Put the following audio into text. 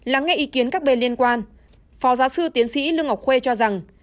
lắng nghe ý kiến các bên liên quan phó giáo sư tiến sĩ lương ngọc khuê cho rằng